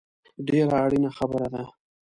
ډېره اړینه خبره ده